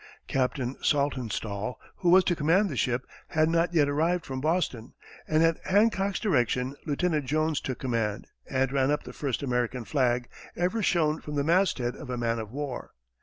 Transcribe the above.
Captain Saltonstall, who was to command the ship, had not yet arrived from Boston, and at Hancock's direction, Lieutenant Jones took command, and ran up the first American flag ever shown from the masthead of a man of war.